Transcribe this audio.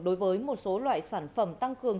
đối với một số loại sản phẩm tăng cường